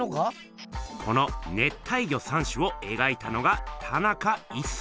この「熱帯魚三種」をえがいたのが田中一村。